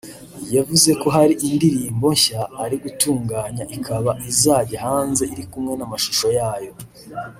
yavuze ko hari indirimbo nshya ari gutunganya ikaba izajya hanze iri kumwe n'amashusho yayo